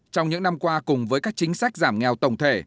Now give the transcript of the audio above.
trong những năm qua cùng với các chính sách giảm nghèo tổng thể